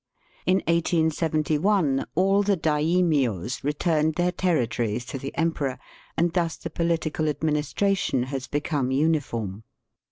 In 1871 all the daimios returned their territories to the emperor, and thus the political administration has become uniform.